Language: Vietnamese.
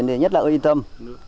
thì nhất là yên tâm